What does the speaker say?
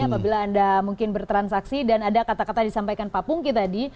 apabila anda mungkin bertransaksi dan ada kata kata disampaikan pak pungki tadi